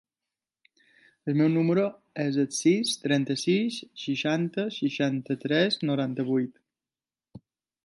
El meu número es el sis, trenta-sis, seixanta, seixanta-tres, noranta-vuit.